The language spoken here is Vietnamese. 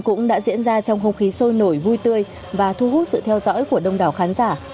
cũng đã diễn ra trong không khí sôi nổi vui tươi và thu hút sự theo dõi của đông đảo khán giả